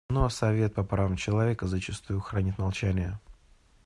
Но Совет по правам человека зачастую хранит молчание.